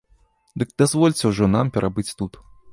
Дык дазвольце ўжо нам перабыць тут.